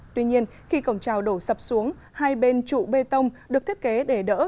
tuy nhiên khi cổng trào đổ sập xuống hai bên trụ bê tông được thiết kế để đỡ